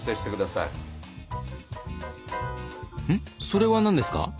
それは何ですか？